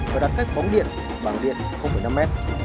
và đặt cách bóng điện bảng điện năm m